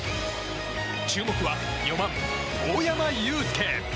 注目は４番、大山悠輔。